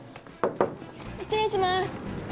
失礼します。